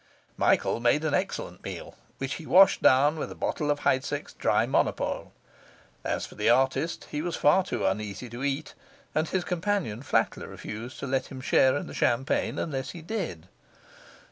Michael made an excellent meal, which he washed down with a bottle of Heidsieck's dry monopole. As for the artist, he was far too uneasy to eat, and his companion flatly refused to let him share in the champagne unless he did.